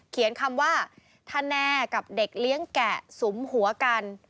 เขียนคำว่าทะแน่กับเด็กเลี้ยงแกะสุมหัวกัน